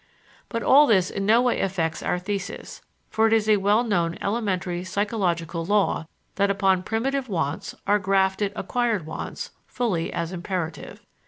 But all this in no way affects our thesis, for it is a well known elementary psychological law that upon primitive wants are grafted acquired wants fully as imperative.